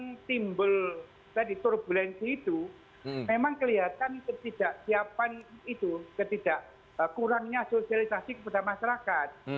yang timbul tadi turbulensi itu memang kelihatan ketidaksiapan itu ketidak kurangnya sosialisasi kepada masyarakat